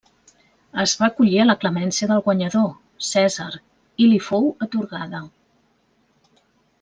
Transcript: Es va acollir a la clemència del guanyador, Cèsar, i li fou atorgada.